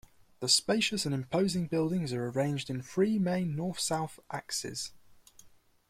The spacious and imposing buildings are arranged in three main northsouth axes.